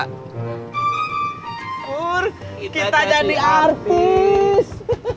kita jadi artis